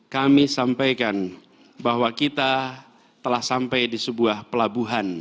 kami sampaikan bahwa kita telah sampai di sebuah pelabuhan